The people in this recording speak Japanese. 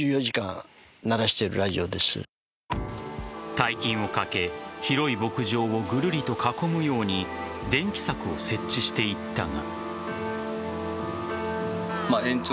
大金をかけ広い牧場をぐるりと囲むように電気柵を設置していったが。